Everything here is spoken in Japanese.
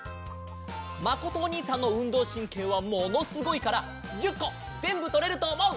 まことおにいさんのうんどうしんけいはものすごいから１０こぜんぶとれるとおもう！